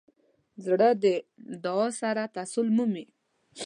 زړه د دعا سره تسل مومي.